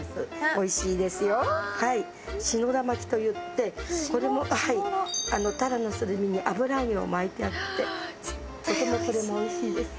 おいしいですよはいしのだまきといってこれもタラのすり身に油揚げを巻いてあってとてもこれもおいしいです